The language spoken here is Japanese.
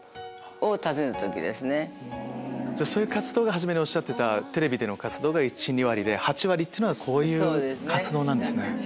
初めにおっしゃってたテレビでの活動が１２割で８割っていうのはこういう活動なんですね。